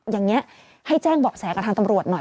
อย่างนี้ให้แจ้งเบาะแสกับทางตำรวจหน่อย